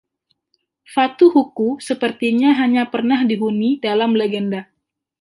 Fatu Huku sepertinya hanya pernah dihuni dalam legenda.